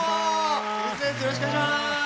よろしくお願いします。